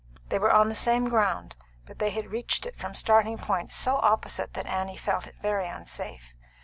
They were on the same ground, but they had reached it from starting points so opposite that Annie felt it very unsafe.